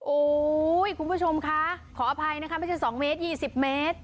โอ้โหคุณผู้ชมคะขออภัยนะคะไม่ใช่๒เมตร๒๐เมตร